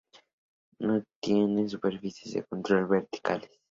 No tiene superficies de control verticales.